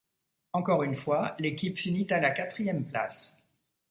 Encore une fois, l'équipe finit à la quatrième place.